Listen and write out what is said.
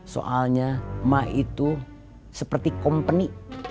soalnya ma itu seperti company